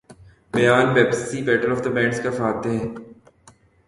بیان Pepsi battle of the bands کا فاتح